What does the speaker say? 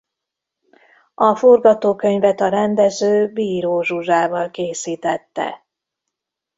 A forgatókönyvet a rendező Bíró Zsuzsával készítette.